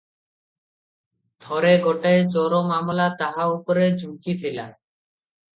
ଥରେ ଗୋଟାଏ ଚୋର ମାମଲା ତାହା ଉପରେ ଝୁଙ୍କିଥିଲା ।